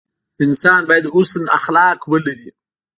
انسان باید حسن اخلاق ولري.